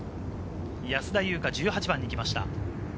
安田祐香、１８番に来ました。